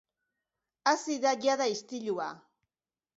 Hasi da, jada, istilua.